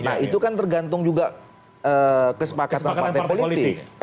nah itu kan tergantung juga kesepakatan partai politik